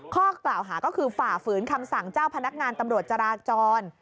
ข้อกล่าวหาก็คือฝ่าฝืนคำสั่งเจ้าพนักงานตำรวจจราจร